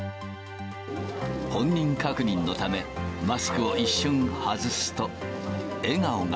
本人確認のため、マスクを一瞬外すと笑顔が。